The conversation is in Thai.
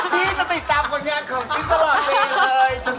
พี่ติดตามคนงานของจิ๊บตลอดเลย